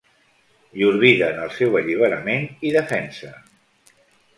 Llur vida en el seu alliberament i defensa.